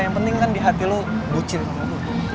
yang penting kan di hati lo bucin sama gue